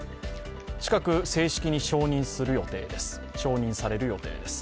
近く正式に承認される予定です。